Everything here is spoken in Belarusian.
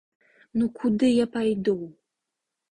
Ну куды я пайду?